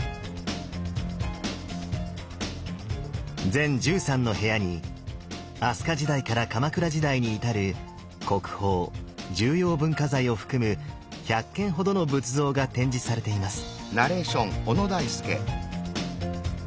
全１３の部屋に飛鳥時代から鎌倉時代に至る国宝重要文化財を含む１００件ほどの仏像が展示されています。